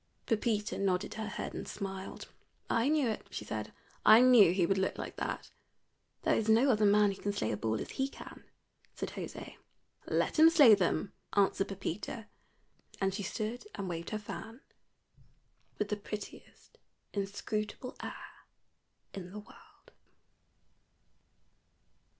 Pepita nodded her head and smiled. "I knew it," she said; "I knew he would look like that." "There is no other man who can slay a bull as he can," said José. "Let him slay them," answered Pepita. And she stood and waved her fan with the prettiest inscrutable air in the world.